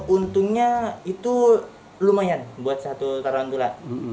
untungnya itu lumayan buat satu tarantula